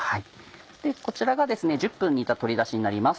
こちらが１０分煮た鶏ダシになります。